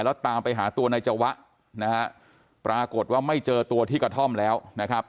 แล้วตามไปหาตัวนายจวะนะฮะปรากฏว่าไม่เจอตัวที่กระท่อมแล้วนะครับ